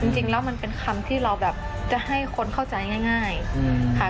จริงแล้วมันเป็นคำที่เราแบบจะให้คนเข้าใจง่ายค่ะ